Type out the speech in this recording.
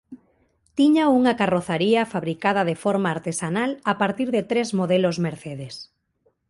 Tiña unha carrozaría fabricada de forma artesanal a partir de tres modelos Mercedes.